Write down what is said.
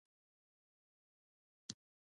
ماشوم مو ټوخی لري؟